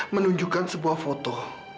menunjukkan sebuah foto